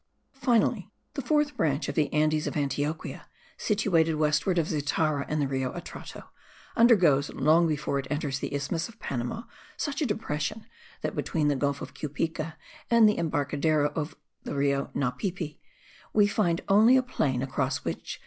Finally, the fourth branch of the Andes of Antioquia, situated westward of Zitara and the Rio Atrato, undergoes, long before it enters the isthmus of Panama, such a depression, that between the Gulf of Cupica and the embarcadero of the Rio Naipipi, we find only a plain across which M.